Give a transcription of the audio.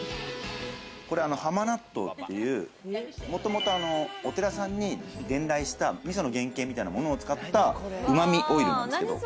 これハマナットウという、もともとお寺さんに伝来したみその原型みたいなものを使った、旨味オイルなんですけれども。